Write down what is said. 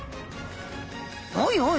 「おいおい！